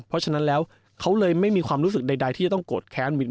เพราะฉะนั้นแล้วเขาเลยไม่มีความรู้สึกใดที่จะต้องโกรธแค้นมิน